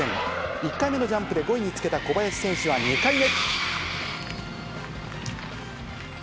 １回目のジャンプで５位につけた小林選手は２回目。